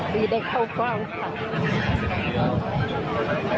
ที่ได้เข้ากว้างค่ะ